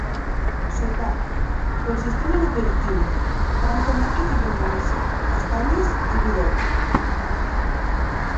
Sopar, consistent en aperitiu, pa amb tomàquet i llonganissa, castanyes i vi dolç.